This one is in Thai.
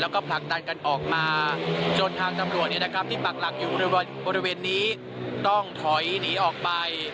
แล้วก็ผลักดันกันออกมาจนทางตำรวจที่ปักหลักอยู่บริเวณนี้ต้องถอยหนีออกไป